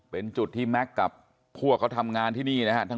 เป็นจุดที่แม็กซ์กับพวกเขาทำงานที่นี่นะครับ